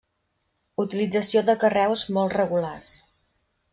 Utilització de carreus molt regulars.